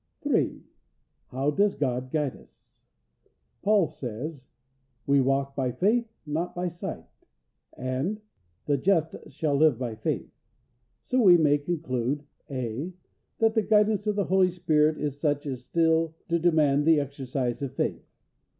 3. How does God guide us? Paul says: "We walk by faith, not by sight," and, "The just shall live by faith," so we may conclude: (a) That the guidance of the Holy Spirit is such as still to demand the exercise of faith.